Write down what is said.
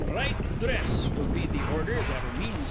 'Right dhress!' will be an ordher that'll mean somethin'.